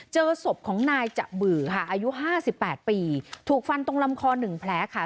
เจอศพของนายจะบื่อค่ะอายุห้าสิบแปดปีถูกฟันตรงลำคอ๑แผลค่ะ